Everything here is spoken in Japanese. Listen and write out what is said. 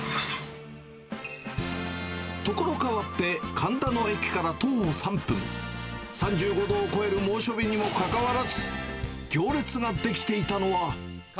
所変わって、神田の駅から徒歩３分、３５度を超える猛暑日にもかかわらず、行列が出来ていたのは。